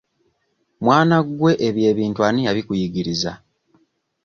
Mwana gwe ebyo ebintu ani yabikuyigiriza?